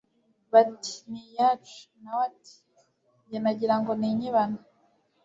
bati « ni iyacu.» na we ati « jye nagira ngo ni inyibano